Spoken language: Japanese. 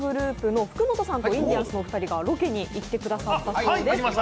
ｇｒｏｕｐの福本さんとインディアンスのお二人がロケに行ってくださったそうです。